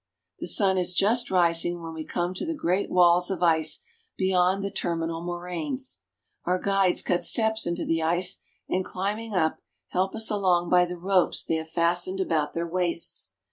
The sun is just rising when we come to the great walls of ice beyond the terminal moraines. Our guides cut steps into the ice, and climbing up, help us along by the ropes they have fastened about their waists.